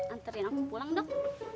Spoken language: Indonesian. anterin aku pulang dok